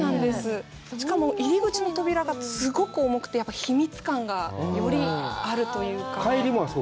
下も入り口の扉がすごく重くて、秘密感がよりあるというか。